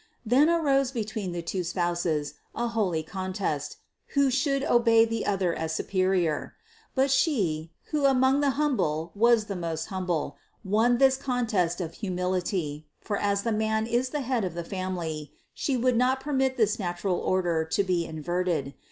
Then arose between the two Spouses a holy con test, who should obey the other as superior. But She, who among the humble was the most humble, won in this contest of humility; for as the man is the head of the family, She would not permit this natural order to be inverted.